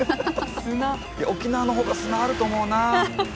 沖縄の方が砂あると思うな。